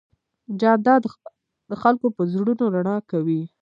جانداد د خلکو په زړونو رڼا کوي.